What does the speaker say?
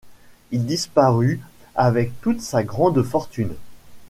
Il disparut avec toute sa grande fortune.